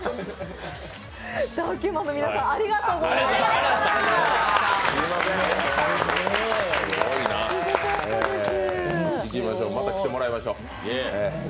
ダウ９００００の皆さんありがとうございました。